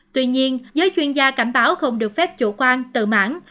tuy nhiên giới chuyên gia cảnh báo không được phép chủ quan tự mãn